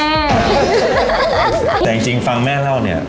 แต่แฮงจริงฟังแม่เล่าก็